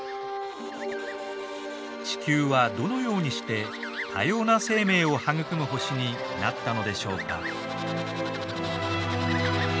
地球はどのようにして多様な生命を育む星になったのでしょうか？